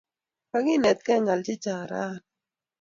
Kakinetkey ng'al chechang' rani